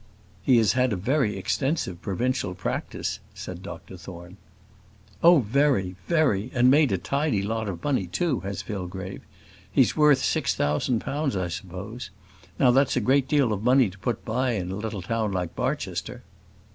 "He has had a very extensive provincial practice," said Dr Thorne. "Oh, very very; and made a tidy lot of money too, has Fillgrave. He's worth six thousand pounds, I suppose; now that's a good deal of money to put by in a little town like Barchester."